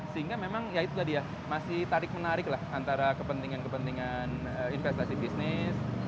sehingga memang ya itu tadi ya masih tarik menarik lah antara kepentingan kepentingan investasi bisnis